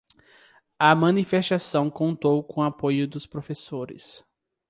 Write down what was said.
A manifestação contou com apoio dos professores